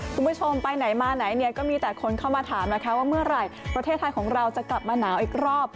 คุณผู้ชมไปไหนมาไหนเนี่ยก็มีแต่คนเข้ามาถามนะคะว่าเมื่อไหร่ประเทศไทยของเราจะกลับมาหนาวอีกรอบ